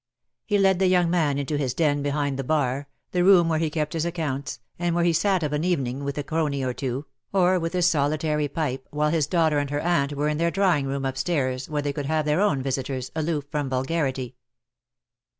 He led the young man into his den behind the bar, the room where he kept his accounts, and where he sat of an evening, Avith a crony or two, go DEAD LOVE HAS CHAINS. or with his solitary pipe, while his daughter and her aunt were in their drawing room upstairs, where they could have their own visitors, aloof from vulgarity.